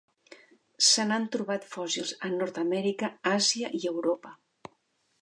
Se n'han trobat fòssils a Nord-amèrica, Àsia i Europa.